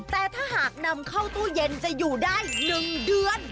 แต่ถ้าหากนำเข้าตู้เย็นจะอยู่ได้๑เดือน